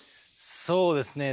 そうですね